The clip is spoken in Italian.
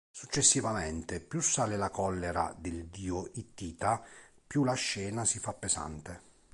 Successivamente, più sale la collera del dio Ittita, più la scena si fa pesante.